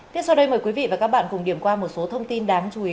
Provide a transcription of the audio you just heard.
tiếp sau đây mời quý vị và các bạn cùng điểm qua một số thông tin đáng chú ý